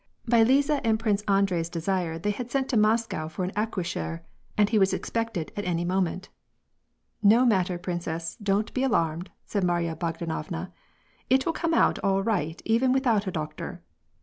By Liza and Prince Andrei's desire they had sent to Moscow for an accoucheur^ and he was expected at any moment. " No matter, princess, don't be alarmed," said Marya Bog danovna, " it will come out all right even without a doctor."